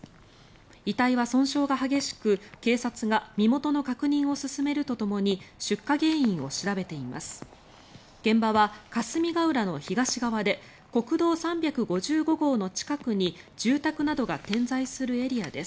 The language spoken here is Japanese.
遺体は損傷が激しく、警察が身元の確認を進めるとともに出火原因を調べています。